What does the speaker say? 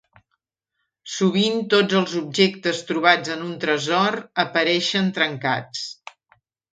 Sovint, tots els objectes trobats en un tresor apareixen trencats.